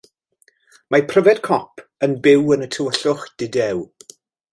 Mae pryfed cop yn byw yn y tywyllwch dudew.